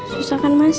susah kan mas